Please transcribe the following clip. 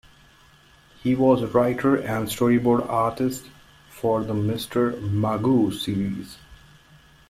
He was a writer and storyboard artist for the "Mr. Magoo" series.